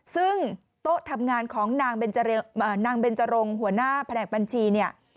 ซึ่งโต๊ะทำงานของนางเบนจรงหัวหน้าแผนกบัญชีเนี่ย